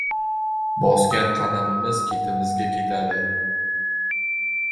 Bosgan qadamimiz ketimizga ketadi.